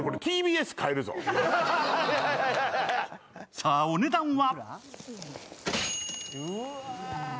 さぁ、お値段は？